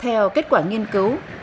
theo kết quả nghiên cứu